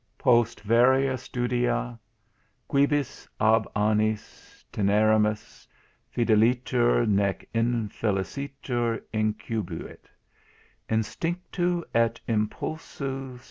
POST VARIA STUDIA, QUIBUS AB ANNIS TENERRIMIS FIDELITER, NEC INFELICITER INCUBUIT; INSTINCTU ET IMPULSU SP.